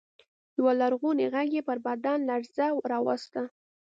يوه ژړغوني غږ يې پر بدن لړزه راوسته.